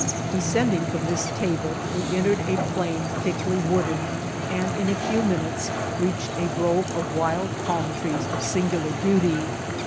Descending from this table, we entered a plain thick ly wooded, and in a few minutes reached a grove of wild pabn trees of singular beauty.